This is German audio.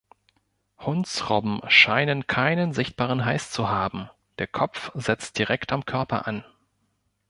Hundsrobben scheinen keinen sichtbaren Hals zu haben, der Kopf setzt direkt am Körper an.